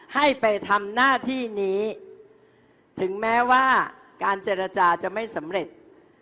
ให้ไปทำหน้าที่นี้ถึงแม้ว่าการเจรจาจะไม่สำเร็จ